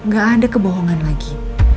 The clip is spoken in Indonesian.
gak ada kebohongan lagi